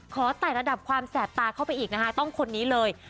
ไต่ระดับความแสบตาเข้าไปอีกนะคะต้องคนนี้เลย